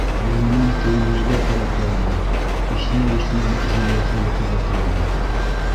Йылынан кейендерергә кәрәк баланы, -иҫнәй-иҫнәй Зөләйха йоҡоға талды.